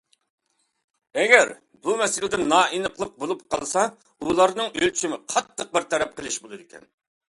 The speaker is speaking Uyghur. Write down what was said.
ئەگەر بۇ مەسىلىدە نائېنىقلىق بولۇپ قالسا، ئۇلارنىڭ ئۆلچىمى قاتتىق بىر تەرەپ قىلىش بولىدىكەن.